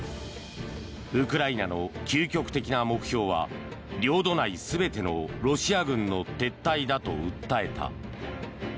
ウクライナの究極的な目標は領土内全てのロシア軍の撤退だと訴えた。